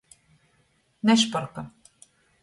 Nešporka.